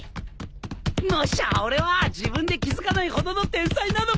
もしや俺は自分で気付かないほどの天才なのか！？